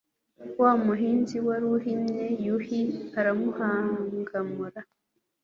Wa Muhinza wari uhimye, Yuhi aramuhangamura.